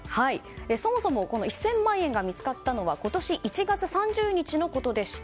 そもそも１０００万円が見つかったのは今年１月３０日のことでした。